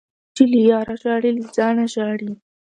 - چي له یاره ژاړي له ځانه ژاړي.